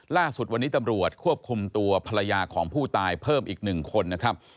ล่าสุดวันนี้ตำรวจควบคุมตัวภรรยาของผู้ตายเพิ่มอีก๑คนนะครับ